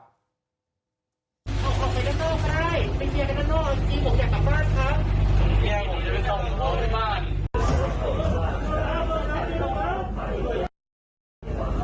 นี่ครับคุณผู้ชมฮะ